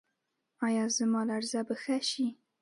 ایا زما لرزه به ښه شي؟